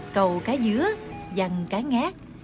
cầu cá dứa dằn cá ngát